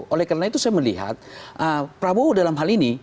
oleh karena itu saya melihat prabowo dalam hal ini